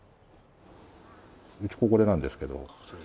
うち、これなんですけど。